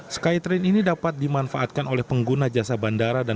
skytrain ini dapat dimanfaatkan oleh pengguna jasa bandara